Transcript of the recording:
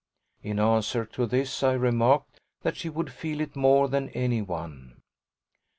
In answer to this I remarked that she would feel it more than any one.